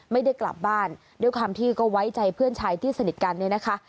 ไม่ได้กลับบ้านด้วยความที่ก็ไว้ใจเพื่อนชายที่สนิทกันเนี่ยนะคะ